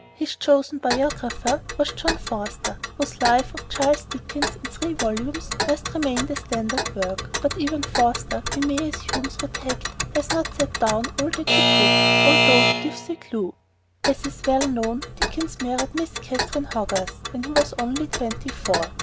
His chosen biographer was John Forster, whose Life of Charles Dickens, in three volumes, must remain a standard work; but even Forster we may assume through tact has not set down all that he could, although he gives a clue. As is well known, Dickens married Miss Catherine Hogarth when he was only twenty four.